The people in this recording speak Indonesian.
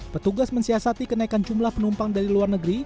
petugas mensiasati kenaikan jumlah penumpang dari luar negeri